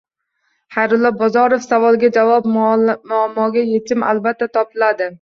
Xayrullo Bozorov: savolga javob, muammoga yechim albatta, topiladi